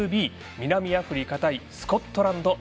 南アフリカ対スコットランド